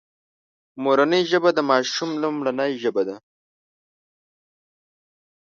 مورنۍ ژبه د ماشوم لومړۍ ژبه ده